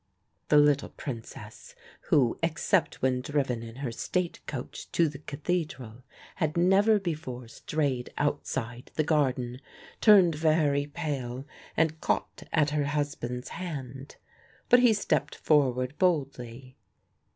The little Princess, who, except when driven in her state coach to the Cathedral, had never before strayed outside the garden, turned very pale and caught at her husband's hand. But he stepped forward boldly.